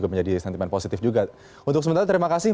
sangat mungkin untuk dicapai